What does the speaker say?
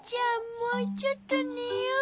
もうちょっとねよう。